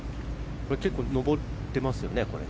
結構、上ってますよね。